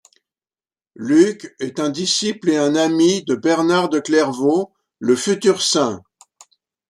Luc est un disciple et un ami de Bernard de Clairvaux, le futur saint.